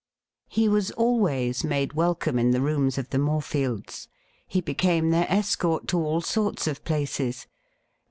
He was always made welcome in the rooms of the Morefields. He became their escort to all sorts of places.